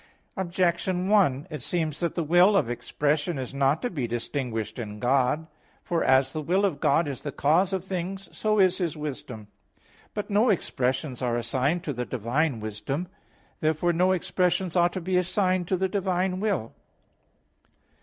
Objection 1: It seems that the will of expression is not to be distinguished in God. For as the will of God is the cause of things, so is His wisdom. But no expressions are assigned to the divine wisdom. Therefore no expressions ought to be assigned to the divine will.